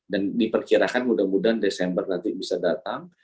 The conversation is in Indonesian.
diperkirakan mudah mudahan desember nanti bisa datang